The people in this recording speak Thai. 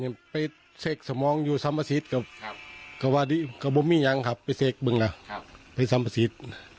เมื่อกี้เนี่ยไปเซ็กสมองอยู่สัมภาษีกับวันนี้ยังครับไปเซ็กมึงล่ะไปสัมภาษี